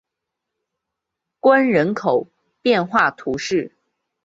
关人口变化图示